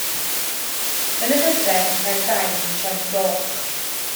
Yn yr hydref mae'r dail yn troi'n goch.